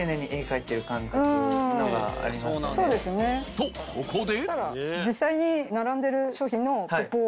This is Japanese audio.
とここで！